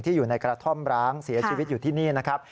อยู่ในกระท่อมร้างเสียชีวิตอยู่ที่นี่นะครับ